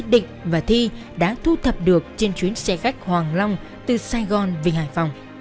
đã thu thập được trên chuyến xe khách hoàng long từ sài gòn về hải phòng